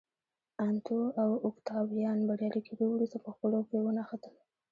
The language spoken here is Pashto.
انتو او اوکتاویان بریالي کېدو وروسته په خپلو کې ونښتل